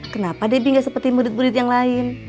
kenapa debbie gak seperti murid murid yang lain